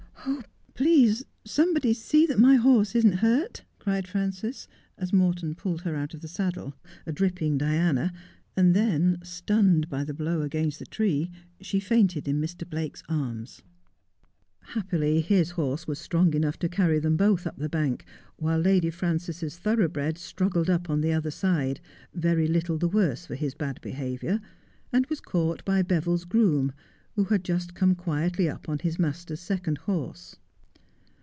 ' Please somebody see that my horse isn't hurt,' cried Frances, as Morton pulled her out of her saddle, a dripping Diana, and then, stunned by the blow against the tree, she fainted in Mr. Blake's arms. Happily his horse was strong enough to carry them both up the bank, while Lady Frances's thoroughbred struggled up on the other side, very little the worse for his bad behaviour, and was caught by Beville's groom, who had just come quietly up on his master's second horse.